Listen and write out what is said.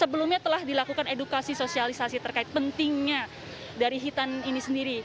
sebelumnya telah dilakukan edukasi sosialisasi terkait pentingnya dari hitan ini sendiri